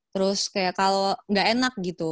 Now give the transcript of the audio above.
terus kayak kalo gak enak gitu